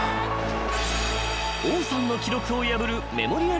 ［王さんの記録を破るメモリアルホームラン］